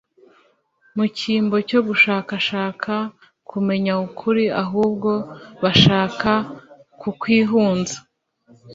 Mu cyimbo cyo gushakashaka kumenya ukuri, ahubwo bashaka kukwihunza,